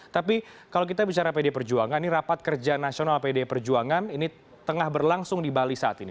tapi kalau kita bicara pd perjuangan ini rapat kerja nasional pdi perjuangan ini tengah berlangsung di bali saat ini